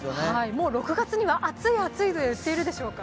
もう６月には暑い、暑いと言っているでしょうか。